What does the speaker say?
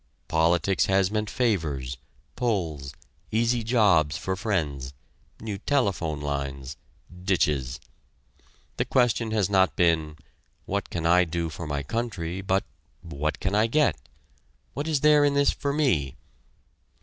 Politics has meant favors, pulls, easy jobs for friends, new telephone lines, ditches. The question has not been: "What can I do for my country?" but: "What can I get? What is there in this for me?"